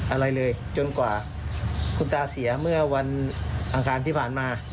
อะไรเลยจนกว่าคุณตาเสียเมื่อวันอังคารที่ผ่านมา